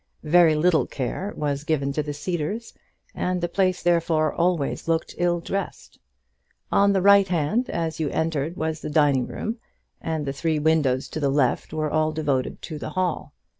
Very little care was given to the Cedars, and the place therefore always looked ill dressed. On the right hand as you entered was the dining room, and the three windows to the left were all devoted to the hall.